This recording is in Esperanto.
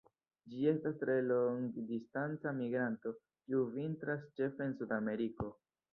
Ĝi estas tre longdistanca migranto kiu vintras ĉefe en Suda Ameriko.